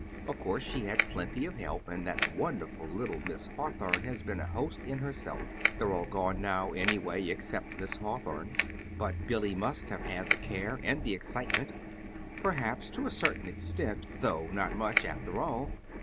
Of course she had plenty of help, and that wonderful little Miss Hawthorn has been a host in herself. They're all gone now, anyway, except Miss Hawthorn." "But Billy must have had the care and the excitement." "Perhaps to a certain extent. Though not much, after all.